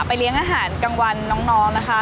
เลี้ยงอาหารกลางวันน้องนะคะ